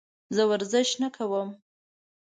زه ورزش نه کوم.